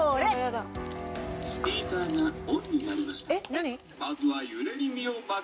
何？